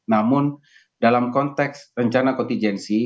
namun dalam konteks rencana kontijensi